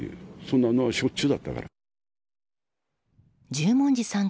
十文字さん